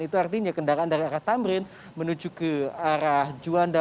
itu artinya kendaraan dari arah tamrin menuju ke arah juanda